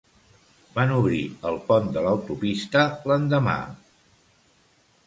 Van obrir el pont de l'autopista l'endemà.